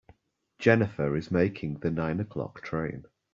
Jennifer is making the nine o'clock train.